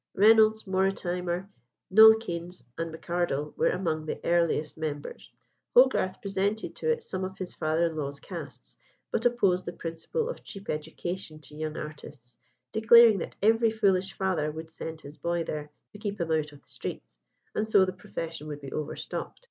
Reynolds, Mortimer, Nollekens, and M'Ardell were among the earliest members. Hogarth presented to it some of his father in law's casts, but opposed the principle of cheap education to young artists, declaring that every foolish father would send his boy there to keep him out of the streets, and so the profession would be overstocked.